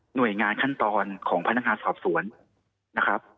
หน่วยงานขั้นตอนของพนักงานสอบสวนนะครับ